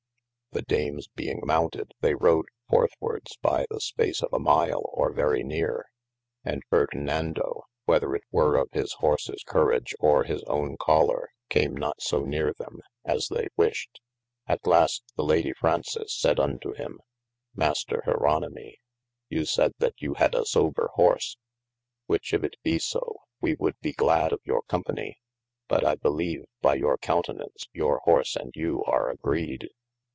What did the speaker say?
The Dames being mounted they rode forthwardes by the space of a mile or very neare, & Ferdinand? (whether it were of his horses corage or his owne choller came not so neare them as they wished) at last the Lady Fraunces sayde unto him, mayster Jeron\t\my you sayde that you had a sober horse, which if it be so, we would bee glad of your company but I beleve by your countenaunce your horse and you are agreed.